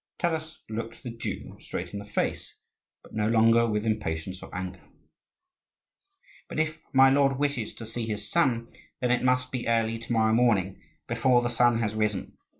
Taras looked the Jew straight in the face, but no longer with impatience or anger. "But if my lord wishes to see his son, then it must be early to morrow morning, before the sun has risen.